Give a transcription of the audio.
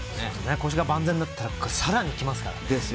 腰が万全だったら、さらにきますからね。